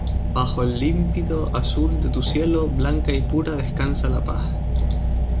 bajo el límpido azul de tu cielo blanca y pura descansa la paz